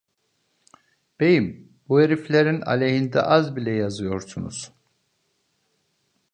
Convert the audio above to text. Beyim, bu heriflerin aleyhinde az bile yazıyorsunuz!